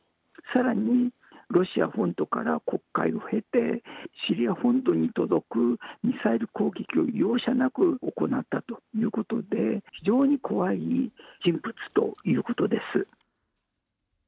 さらにロシア本土から黒海を経て、シリア本土に届くミサイル攻撃を容赦なく行ったということで、非常に怖い人物ということです。